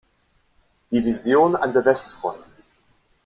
Division an der Westfront.